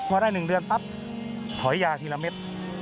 พอได้๑เดือนปั๊บถอยยาทีละเม็ด